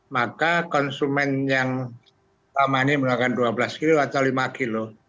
maka konsumen yang lama ini menggunakan dua belas kilo atau lima kilo